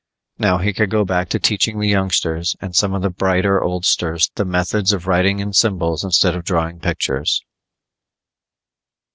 Now he could go back to teaching the youngsters and some of the brighter oldsters the methods of writing in symbols instead of drawing pictures.